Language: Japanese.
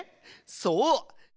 そう！